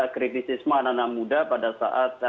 kritisisme anak anak muda pada saat